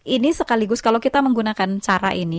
ini sekaligus kalau kita menggunakan cara ini